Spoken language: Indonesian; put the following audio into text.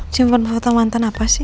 cimpen foto mantan apa sih